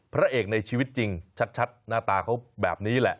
พระเอกในชีวิตจริงชัดหน้าตาเขาแบบนี้แหละ